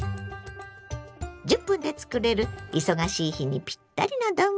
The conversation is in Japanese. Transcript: １０分で作れる忙しい日にピッタリの丼。